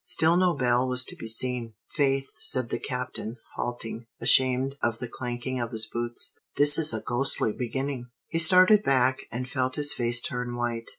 Still no bell was to be seen. "Faith," said the Captain, halting, ashamed of the clanking of his boots, "this is a ghostly beginning!" He started back, and felt his face turn white.